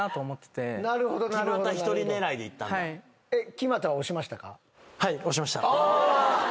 木全は押しましたか？